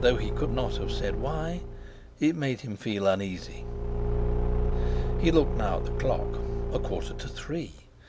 Though he could not have said why, it made him feel uneasy. He looked now at the clock—a quarter to three!